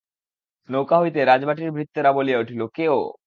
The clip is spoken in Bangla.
নৌকা হইতে রাজবাটীর ভৃত্যেরা বলিয়া উঠিল, কে ও?